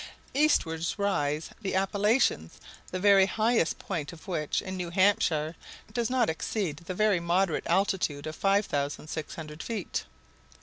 Eastwards rise the Appalachians, the very highest point of which, in New Hampshire, does not exceed the very moderate altitude of 5,600 feet.